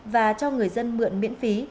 và cho người dân mượn miễn phí